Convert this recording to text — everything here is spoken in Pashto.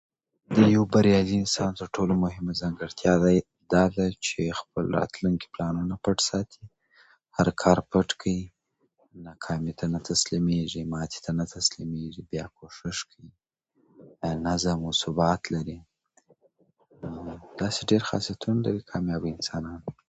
د يو بريالي انسان تر ټولو مهمه ځانګړتيا دا ده چې خپل راتلونکي پلانونه پټ ساتي، هر کار پټ کوي، نه تسلېمېږي، ماتې ته نه تسليمېږي، نظم او ثبات لري. داسې ډېر خاصيتونه لري کاميابه انسانان.